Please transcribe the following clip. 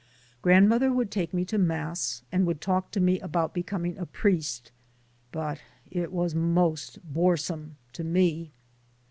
Grandmother would take me to mass and would talk to me about becoming a priest, but it was most boresome to me.